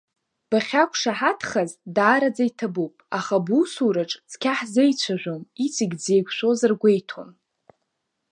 Бахьақәшаҳаҭхаз даараӡа иҭабуп, аха бусураҿ цқьа ҳзеицәажәом, иҵегь дзеиқәшәозар гәеиҭон.